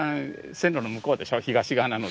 線路の向こうでしょ東側なので。